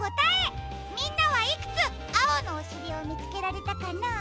みんなはいくつあおのおしりをみつけられたかな？